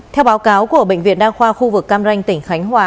theo báo cáo của bệnh viện đa khoa khu vực cam ranh tỉnh khánh hòa